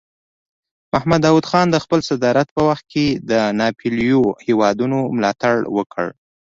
محمد داود خان د خپل صدارت په وخت کې د ناپېیلو هیوادونو ملاتړ وکړ.